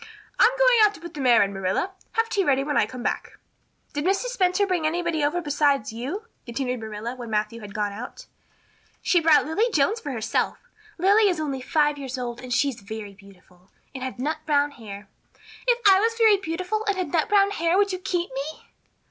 "I'm going out to put the mare in, Marilla. Have tea ready when I come back." "Did Mrs. Spencer bring anybody over besides you?" continued Marilla when Matthew had gone out. "She brought Lily Jones for herself. Lily is only five years old and she is very beautiful and had nut brown hair. If I was very beautiful and had nut brown hair would you keep me?"